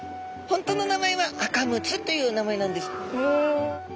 本当の名前はアカムツという名前なんです。